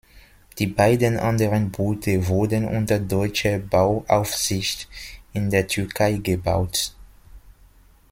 Die beiden anderen Boote wurden unter deutscher Bauaufsicht in der Türkei gebaut.